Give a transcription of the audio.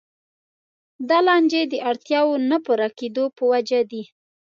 دا لانجې د اړتیاوو نه پوره کېدو په وجه دي.